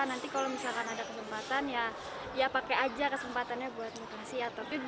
nanti kalau misalkan ada kesempatan ya ya pake aja kesempatannya buat nukasi atau